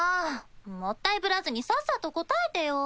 もったいぶらずにさっさと答えてよ。